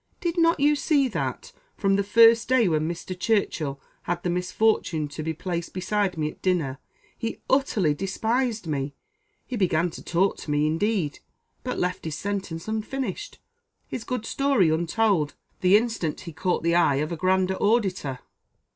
"Did not you see that, from the first day when Mr. Churchill had the misfortune to be placed beside me at dinner, he utterly despised me: he began to talk to me, indeed, but left his sentence unfinished, his good story untold, the instant he caught the eye of a grander auditor."